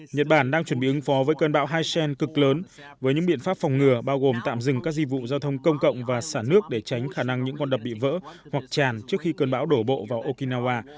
nhật bản đang chuẩn bị ứng phó với cơn bão haisen cực lớn với những biện pháp phòng ngừa bao gồm tạm dừng các di vụ giao thông công cộng và xả nước để tránh khả năng những con đập bị vỡ hoặc tràn trước khi cơn bão đổ bộ vào okinawa